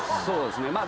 そうですね。